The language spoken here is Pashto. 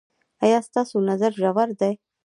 ایا ستاسو نظر ژور دی؟